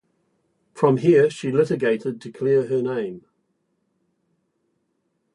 From there she litigated to clear her name.